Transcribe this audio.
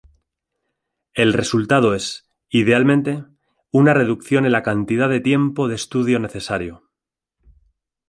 El resultado es, idealmente, una reducción en la cantidad de tiempo de estudio necesario.